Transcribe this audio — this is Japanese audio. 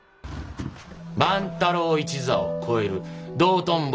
万太郎一座を超える道頓堀